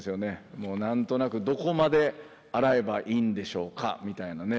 もう何となくどこまで洗えばいいんでしょうかみたいなね。